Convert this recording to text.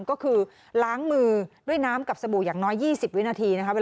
ก็คือล้างมือด้วยน้ำกับสบู่อย่างน้อย๒๐วินาทีนะคะเวลาเราล้างมือ